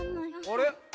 あれ？